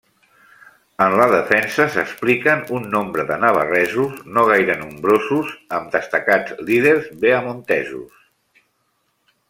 En la defensa s'expliquen un nombre de navarresos, no gaire nombrosos, amb destacats líders beaumontesos.